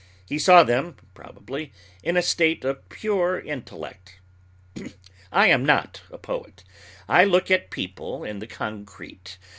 He saw them, probably, in a state of pure intellect. I am not a poet; I look at people in the concrete.